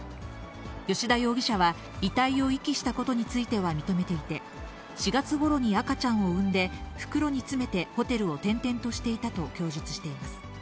吉田容疑者は遺体を遺棄したことについては認めていて、４月ごろに赤ちゃんを産んで、袋に詰めてホテルを転々としていたと供述しています。